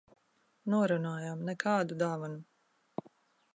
Norunājām - nekādu dāvanu.